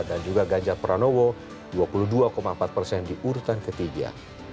dan juga ganjar pranowo dua puluh dua empat di urutan ketiga